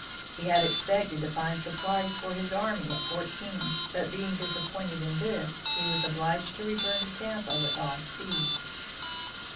He had expected to find supplies for his army at Fort King, but being disappointed in this, he was obliged to return to Tampa with all speed.